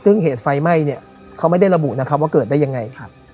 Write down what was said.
ซึ่งเหตุไฟไหม้เขาไม่ได้ระบุว่าเกิดได้อย่างไร